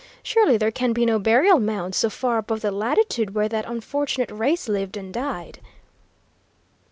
Surely there can be no burial mounds so far above the latitude where that unfortunate race lived and died?"